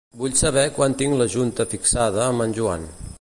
Vull saber quan tinc la junta fixada amb en Joan.